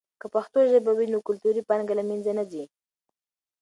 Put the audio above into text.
که پښتو ژبه وي، نو کلتوري پانګه له منځه نه ځي.